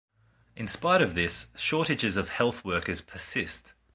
In spite of this, shortages of health workers persist.